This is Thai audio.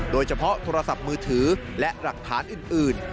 โดยเฉพาะโทรศัพท์มือถือและหลักฐานอื่น